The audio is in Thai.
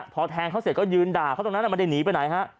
พอแทงเขาเสร็จก็ยืนด่าเขาตรงนั้นไม่ได้หนีไปไหนฮะ